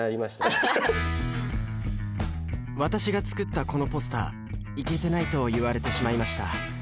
私が作ったこのポスターイケてないと言われてしまいました。